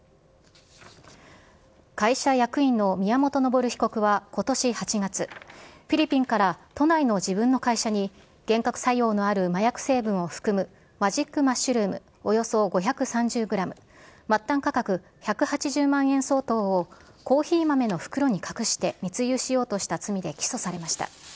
会社役員の宮本昇被告はことし８月、フィリピンから都内の自分の会社に、幻覚作用のある麻薬成分を含むマジックマッシュルームおよそ５３０グラム、末端価格１８０万円相当をコーヒー豆の袋に隠して密輸しようとした罪で起訴されました。